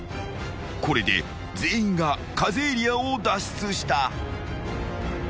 ［これで全員がｋａｚｅエリアを脱出した］